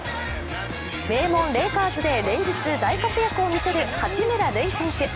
名門レイカーズで連日大活躍を見せる八村塁選手。